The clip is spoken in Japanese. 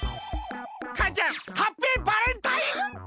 かあちゃんハッピーバレンタイン！あんた！